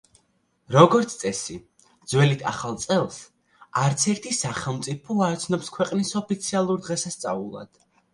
როგორც წესი, ძველით ახალ წელს, არც ერთი სახელმწიფო არ ცნობს ქვეყნის ოფიციალურ დღესასწაულად.